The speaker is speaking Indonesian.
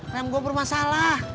rem gue bermasalah